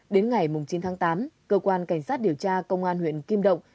đến ngày chín tháng tám cơ quan cảnh sát điều tra công an huyện kim động